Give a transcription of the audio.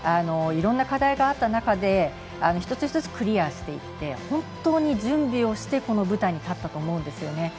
いろんな課題があった中で一つ一つ、クリアしていって本当に準備をしてこの舞台に立ったと思うんですね。